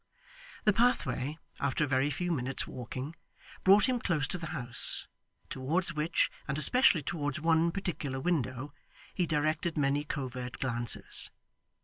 The pathway, after a very few minutes' walking, brought him close to the house, towards which, and especially towards one particular window, he directed many covert glances.